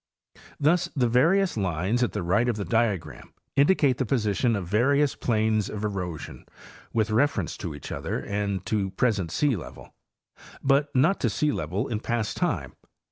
Thus the various lines at the right of the diagram indicate the position of various plains of erosion with reference Character of Sediments. . £23 to each other and to present sealevel, but not to sealevel in past time.